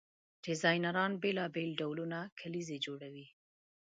ډیزاینران بیلابیل ډولونه کلیزې جوړوي.